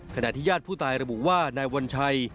ขณะที่ญาติผู้ตายระบุว่านายวัญชัย